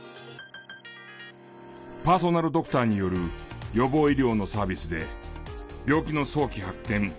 パーソナルドクターによる予防医療のサービスで病気の早期発見